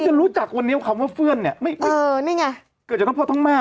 จะรู้จักวันนี้คำว่าเพื่อนเนี่ยไม่เออนี่ไงเกิดจากทั้งพ่อทั้งแม่